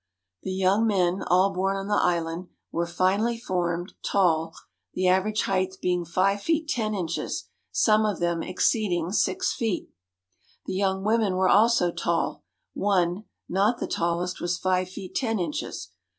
The young men, all born on the island, were finely formed, tall, the average height being five feet ten inches, some of them exceeding six feet. The young women were also tall; one, not the tallest, was five feet ten inches.